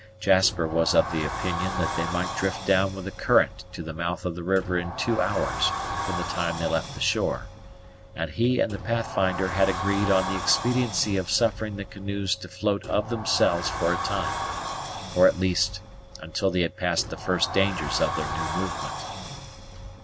Jasper was of opinion that they might drift down with the current to the mouth of the river in two hours from the time they left the shore, and he and the Pathfinder had agreed on the expediency of suffering the canoes to float of themselves for a time, or at least until they had passed the first dangers of their new movement.